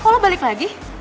kok lu balik lagi